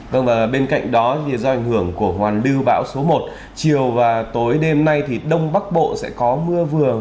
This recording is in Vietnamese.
vâng bên cạnh đó thì do ảnh hưởng của hoàn lưu bão số một chiều và tối đêm nay thì đông bắc bộ sẽ có mưa vừa